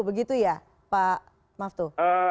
begitu ya pak maftu